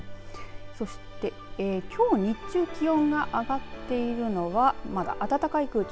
そしてきょう日中、気温が上がっているのはまだ暖かい空気